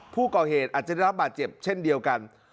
ผู้ก่อเหตุอาจจะได้รับบาดเจ็บเช่นเดียวกัน